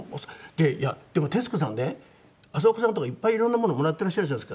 でも徹子さんね浅丘さんとかいっぱいいろんなものをもらっていらっしゃるじゃないですか。